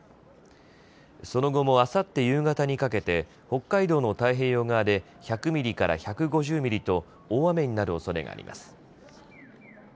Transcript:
その後もあさって夕方にかけて北海道の太平洋側で１００ミリから１５０ミリと大雨になるおそれがあります。